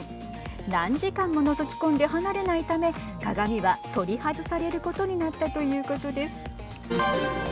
何時間ものぞき込んで離れないため鏡は取り外されることになったということです。